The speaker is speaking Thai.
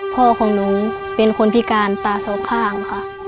พ่อของหนูเป็นคนพิการตาสองข้างค่ะ